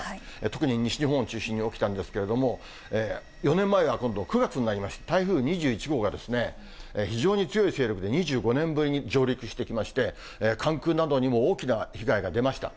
特に西日本を中心に起きたんですけれども、４年前は今度、９月になりまして、台風２１号が非常に強い勢力で、２５年ぶりに上陸してきまして、関空などにも大きな被害が出ました。